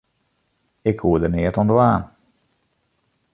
Ik koe der neat oan dwaan.